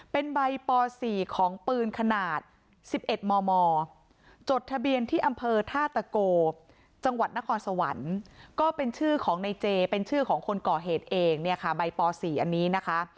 เป็นใบป๔ของปืนขนาด๑๑มมจดทะเบียนที่อำเภอท่าตะโกจังหวัดนครสวรรค์ก็เป็นชื่อของในเจเป็นชื่อของคนก่อเหตุเองเนี่ยค่ะใบป๔อันนี้นะคะ